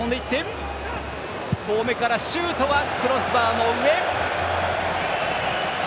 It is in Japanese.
遠めからシュートはクロスバーの上。